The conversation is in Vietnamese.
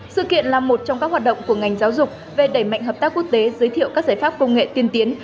sự kiện là một trong các hoạt động của ngành giáo dục về đẩy mạnh hợp tác quốc tế giới thiệu các giải pháp công nghệ tiên tiến